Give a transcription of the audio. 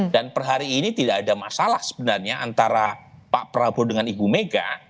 dan per hari ini tidak ada masalah sebenarnya antara pak prabowo dengan ibu mega